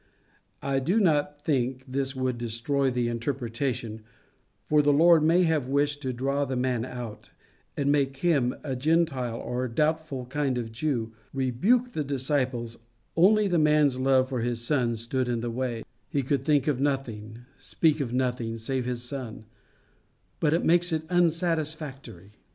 I do not think this would destroy the interpretation, for the Lord may have wished to draw the man out, and make him, a Gentile or doubtful kind of Jew, rebuke the disciples; only the man's love for his son stood in the way: he could think of nothing, speak of nothing save his son; but it makes it unsatisfactory.